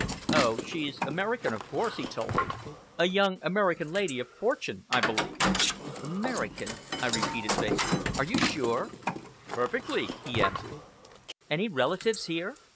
"Oh! she's American, of course," he told me "a young American lady of fortune, I believe." "American," I repeated vaguely, "are you sure?" "Perfectly!" he answered. "Any relatives here?"